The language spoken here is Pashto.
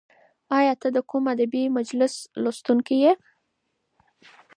ایا ته د کوم ادبي مجلې لوستونکی یې؟